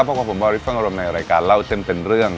พบกับผมวาริสเฟิ่งอารมณ์ในรายการเล่าเส้นเป็นเรื่อง